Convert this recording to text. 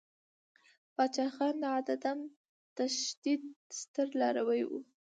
پاچاخان د عدم تشدد ستر لاروی ؤ.